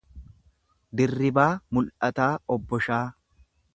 Dirribaa Mul’ataa Obboshaa